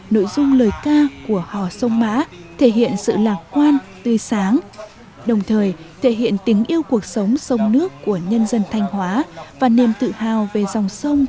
nội dung lời ca của hò sông mã thể hiện sự lạc quan tươi sáng đồng thời thể hiện tính yêu cuộc sống sông nước của nhân dân thanh hóa và niềm tự hào về dòng sông của quê hương mình